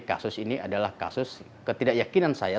kasus ini adalah kasus ketidakyakinan saya